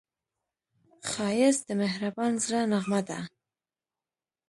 ښایست د مهربان زړه نغمه ده